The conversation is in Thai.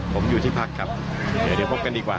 ผมอยู่ที่พักครับเดี๋ยวพบกันดีกว่า